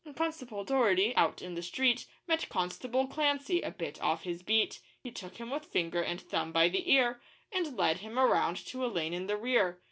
And Constable Dogherty, out in the street, Met Constable Clancy a bit off his beat; He took him with finger and thumb by the ear, And led him around to a lane in the rear.